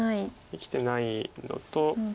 生きてないのと。